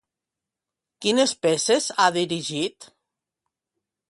Quines peces ha dirigit?